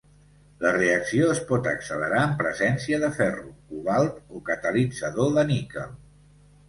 La reacció es pot accelerar en presència de ferro, cobalt o catalitzador de níquel.